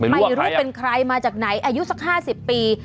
ไม่รู้เป็นใครมาจากไหนอายุสัก๕๐ปี